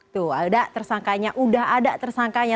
tuh ada tersangkanya udah ada tersangkanya